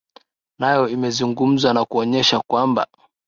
nayo imezungumza na kuonyesha kwamba